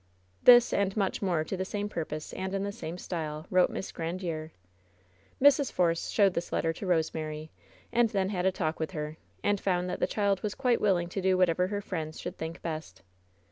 This, and much more to the same purpose and in the same style, wrote Miss Grandiere. Mrs. Force showed this letter to Rosemary, and thea ;eO WHEN SHADOWS DIE had a talk with her, and found that the child was quite willing to do whatever her friends should think best.